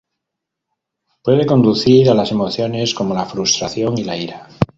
Puede conducir a las emociones como la frustración y la ira.